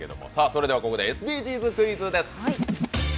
それではここでＳＤＧｓクイズです。